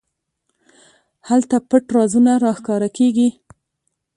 هلته پټ رازونه راښکاره کېږي.